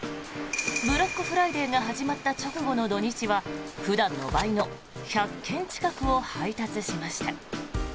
ブラックフライデーが始まった直後の土日は普段の倍の１００件近くを配達しました。